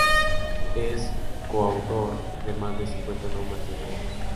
Es coautor de más de cincuenta nombres botánicos.